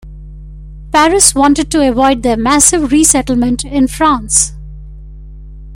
Paris wanted to avoid their massive resettlement in France.